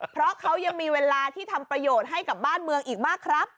เพราะเขายังมีเวลาที่ทำประโยชน์ให้กับบ้านเมืองอีกมากครับ